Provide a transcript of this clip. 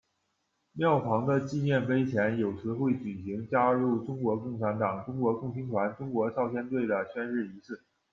庙旁的纪念碑前有时会举行加入中国共产党、中国共青团、中国少先队的宣誓仪式。